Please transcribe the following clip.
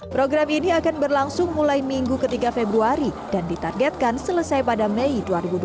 program ini akan berlangsung mulai minggu ketiga februari dan ditargetkan selesai pada mei dua ribu dua puluh